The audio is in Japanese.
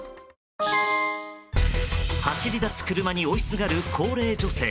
走り出す車に追いすがる高齢女性。